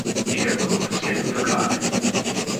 Ik heb een officiële verklaring.